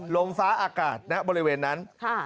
ลมฟ้าอากาศณบริเวณนั้น